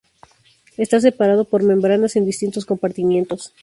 Está separado por membranas en distintos compartimientos.